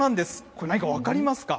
これ何か分かりますか。